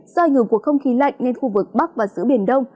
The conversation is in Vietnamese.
do ảnh hưởng của không khí lạnh nên khu vực bắc và giữa biển đông